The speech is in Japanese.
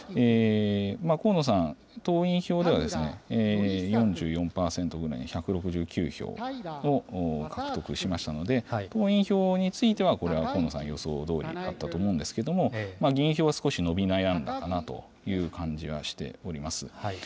河野さん、党員票では４４％ぐらい、１６９票、獲得しましたので、党員票については、これは河野さんの予想どおりだったと思うんですけれども、議員票は少し伸び悩んだかなという感じはしております。